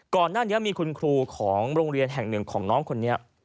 ก่อนหน้านี้มีคุณครูของโรงเรียนแห่งหนึ่งของน้องคนนี้